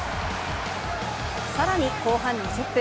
さらに後半２０分。